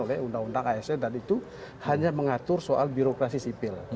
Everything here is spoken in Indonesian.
oleh undang undang asn dan itu hanya mengatur soal birokrasi sipil